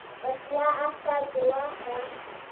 وسله عفت ته ګواښ ده